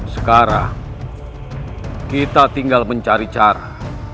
sekarang kita tinggal mencari cara